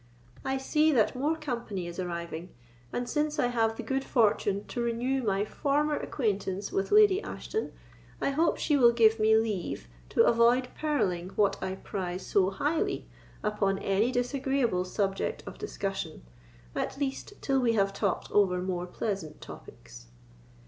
I see that more company is arriving; and, since I have the good fortune to renew my former acquaintance with Lady Ashton, I hope she will give me leave to avoid perilling what I prize so highly upon any disagreeable subject of discussion—at least till we have talked over more pleasant topics."